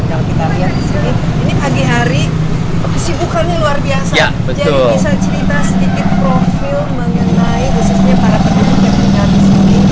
profil mengenai bisnisnya para penduduk yang tinggal di sini